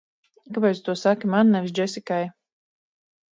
Kāpēc tu to saki man, nevis Džesikai?